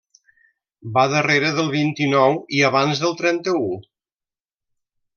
Va darrere del vint-i-nou i abans del trenta-u.